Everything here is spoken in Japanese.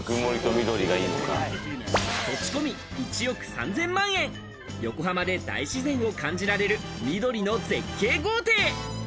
土地込み１億３０００万円、横浜で大自然を感じられる緑の絶景豪邸。